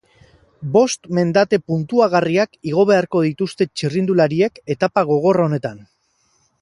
Bost mendate puntuagarriak igo beharko dituzte txirrindulariek etapa gogor honetan.